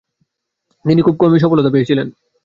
তিনি খুব কমই সফলতা পেয়েছিলেন।